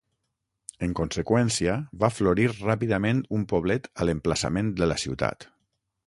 En conseqüència, va florir ràpidament un poblet a l'emplaçament de la ciutat.